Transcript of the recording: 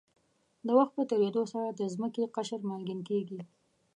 د وخت په تېرېدو سره د ځمکې قشر مالګین کېږي.